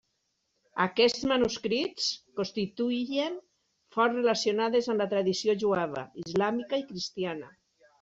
Aquests manuscrits constituïen fonts relacionades amb la tradició jueva, islàmica i cristiana.